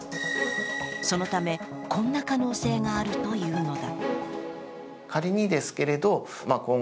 そのため、こんな可能性があるというのだ。